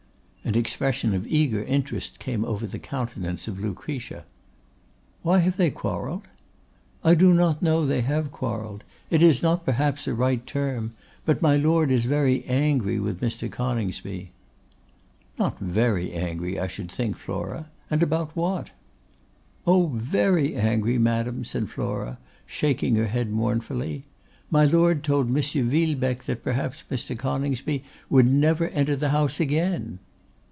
An expression of eager interest came over the countenance of Lucretia. 'Why have they quarrelled?' 'I do not know they have quarrelled; it is not, perhaps, a right term; but my Lord is very angry with Mr. Coningsby.' 'Not very angry, I should think, Flora; and about what?' 'Oh! very angry, madam,' said Flora, shaking her head mournfully. 'My Lord told M. Villebecque that perhaps Mr. Coningsby would never enter the house again.